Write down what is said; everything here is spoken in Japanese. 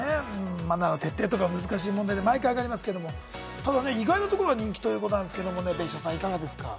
マナーの徹底とか難しい問題で毎回上がりますけれども、ただ意外なところが人気ということですけれど、別所さん、いかがですか？